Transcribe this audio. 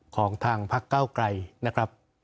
ของทางพักเก้าไกรนะครับ